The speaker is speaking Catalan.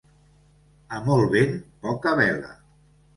A molt vent, poca vela.